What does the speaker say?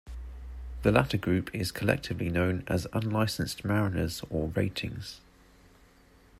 The latter group is collectively known as unlicensed mariners or ratings.